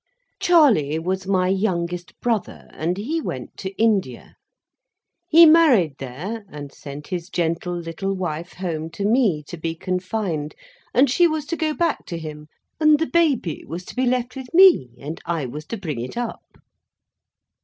Charley was my youngest brother, and he went to India. He married there, and sent his gentle little wife home to me to be confined, and she was to go back to him, and the baby was to be left with me, and I was to bring it up.